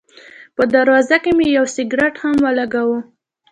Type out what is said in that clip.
په دروازه کې مې یو سګرټ هم ولګاوه.